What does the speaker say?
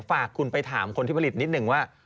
ฝากคุณไปถามคนที่ผลิตนิดนึงว่า